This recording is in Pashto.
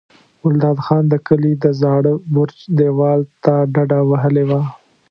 ګلداد خان د کلي د زاړه برج دېوال ته ډډه وهلې وه.